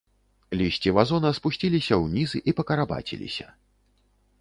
Лісці вазона спусціліся ўніз і пакарабаціліся.